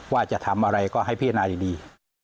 ว่าจะทำอะไรก็ให้พิจารณาดี